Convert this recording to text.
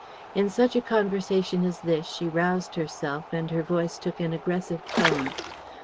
In such a conversation as this she roused herself and her voice took an aggressive tone.